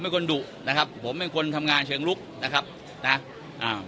เป็นคนดุนะครับผมเป็นคนทำงานเชิงลุกนะครับนะอ่า